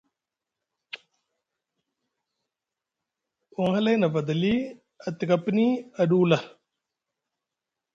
Won hlay nʼa vada li, a tika pini a ɗuula.